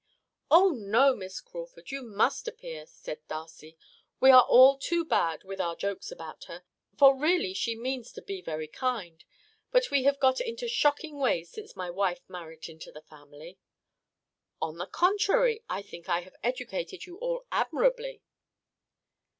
"Oh, no, Miss Crawford, you must appear," said Darcy. "We are all too bad, with our jokes about her, for really she means to be very kind. But we have got into shocking ways since my wife married into the family." "On the contrary, I think I have educated you all admirably."